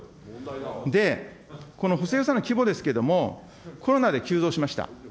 で、この補正予算の規模ですけれども、コロナで急増しました。